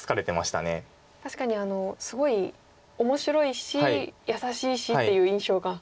確かにすごい面白いし優しいしっていう印象が。